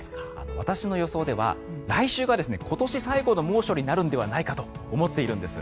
私の予想では来週が今年最後の猛暑になるのではないかと思っているんです。